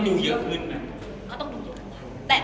จะกว้างลงเกิน